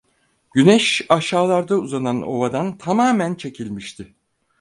Güneş, aşağılarda uzanan ovadan tamamen çekilmişti.